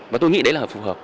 và tôi nghĩ đấy là hợp phù hợp